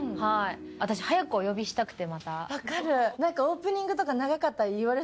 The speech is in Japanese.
私、早くお呼びしたくて。